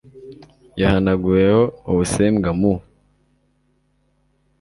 wahanaguweho ubusembwa mu